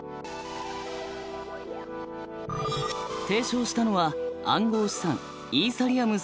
提唱したのは暗号資産イーサリアム